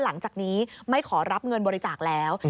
หลังจากนี้ไม่ขอรับเงินบริจาคแล้ว